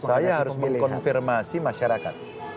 saya harus mengkonfirmasi masyarakat